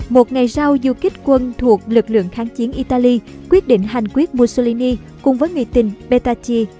một ngày sau du kích quân thuộc lực lượng kháng chiến italy quyết định hành quyết mussolini cùng với người tình betachi